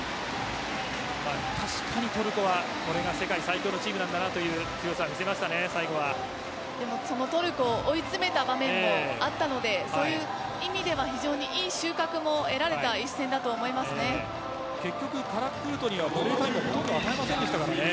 確かに、トルコは世界最強のチームなんだなという強さ見せましたね、最後はそのトルコを追い詰めた場面もあったのでそういう意味では非常にいい収穫も得られた結局、カラクルトにはほとんどポイント与えませんでしたからね。